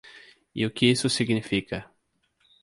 E o que isso significa?